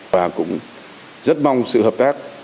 và cũng rất mong sự hợp tác